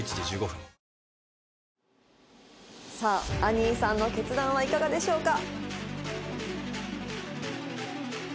にーさんの決断はいかがでしょうか？